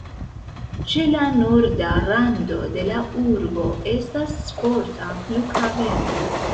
Ĉe la norda rando de la urbo estas sporta flughaveno.